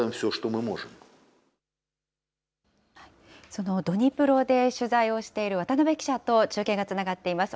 そのドニプロで取材をしている、渡辺記者と中継がつながっています。